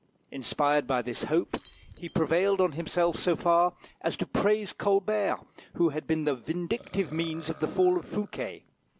Inspired by this hope, he prevailed on himself so far as to praise Colbert, who had been the vindictive means of the fall of Fouquet.